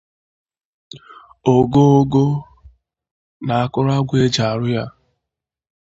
ogoogo na akụrụngwa e ji arụ ya.